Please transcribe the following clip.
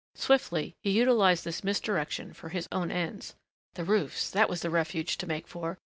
Swiftly he utilized this misdirection for his own ends. The roofs. That was the refuge to make for.